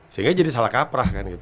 sehingga jadi salah kaprah